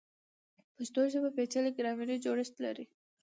پښتو ژبه پیچلی ګرامري جوړښت لري.